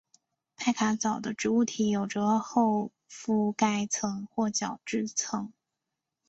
派卡藻的植物体有着厚覆盖层或角质层。